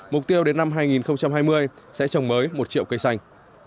mục tiêu đến năm hai nghìn hai mươi sẽ trồng mới một triệu cây xanh